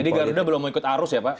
jadi garuda belum mau ikut arus ya pak